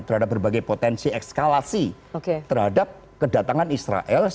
terhadap berbagai potensi ekskalasi terhadap kedatangan israel